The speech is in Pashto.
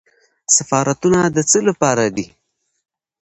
سفارتونه د څه لپاره دي؟